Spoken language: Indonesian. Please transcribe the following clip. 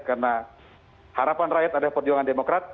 karena harapan rakyat adalah perjuangan demokrat